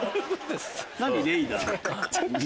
何でレイダー？